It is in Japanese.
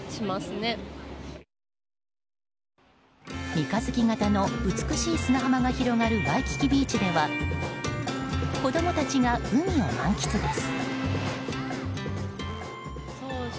三日月形の美しい砂浜が広がるワイキキビーチでは子供たちが海を満喫です。